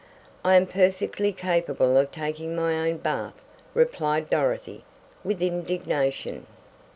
"I am perfectly capable of taking my own bath," replied Dorothy, with indignation.